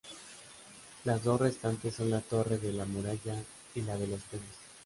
Las dos restantes son la torre de la Muralla y la de los Peces.